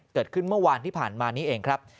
เกิดขึ้นเมื่อวานที่ผ่านมานี้เองครับ